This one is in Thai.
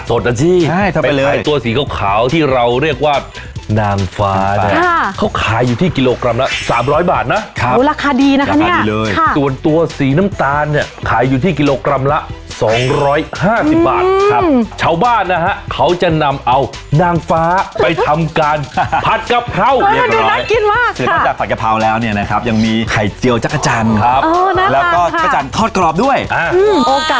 โอกาสทำเงินนะคะก็อยู่ใกล้มือใกล้พวกเรานี่เองค่ะ